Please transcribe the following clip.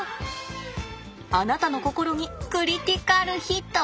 あなたの心にクリティカルヒット！